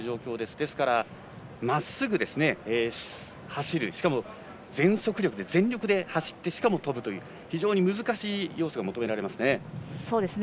ですからまっすぐ走る、しかも全力で走って、しかも跳ぶという非常に難しい要素が求められますね。